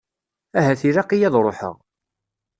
Ahat ilaq-iyi ad ruḥeɣ.